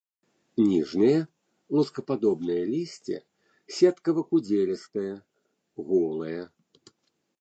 Ніжняе лускападобнае лісце сеткава-кудзелістае, голае.